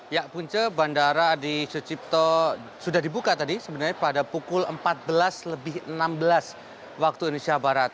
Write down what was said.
ya punca bandara adi sucipto sudah dibuka tadi sebenarnya pada pukul empat belas lebih enam belas waktu indonesia barat